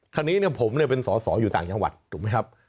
ทีนี้เนี่ยผมเนี่ยเป็นส่ออยู่ต่างจังหวัดถูกมั้ยครับ